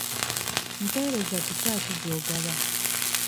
Mpeereza kika ki gy'ogaba?